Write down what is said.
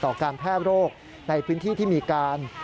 การแพร่โรคในพื้นที่ที่มีการ